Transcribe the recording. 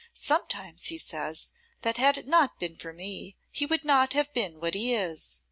Sometimes, he says, that had it not been for me, he would not have been what he is.